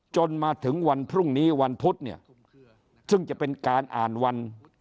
จนมาถึงวันพรุ่งนี้วันพุธเนี่ยซึ่งจะเป็นการอ่านวัน